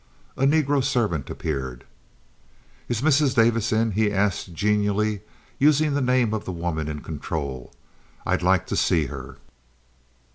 A negro servant appeared. "Is Mrs. Davis in?" he asked, genially, using the name of the woman in control. "I'd like to see her."